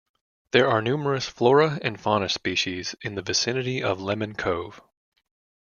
There are numerous flora and fauna species in the vicinity of Lemon Cove.